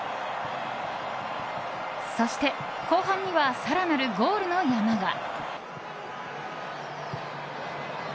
そして、後半には更なるゴールの山が。